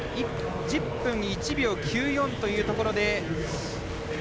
１０分１秒９４というところで。